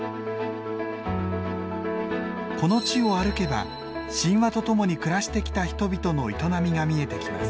この地を歩けば神話と共に暮らしてきた人々の営みが見えてきます。